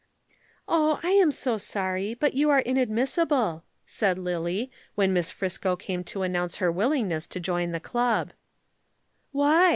"Oh, I am so sorry, but you are inadmissible," said Lillie, when Miss Friscoe came to announce her willingness to join the Club. "Why?"